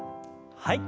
はい。